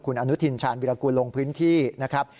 คุณอนุทินชาญวิรากูลลงพื้นที่นะครับ